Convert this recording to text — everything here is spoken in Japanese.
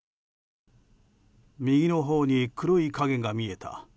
右のほうに黒い影が見えた。